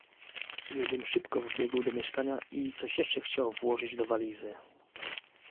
"Judym szybko wbiegł do mieszkania i coś jeszcze chciał włożyć do walizy."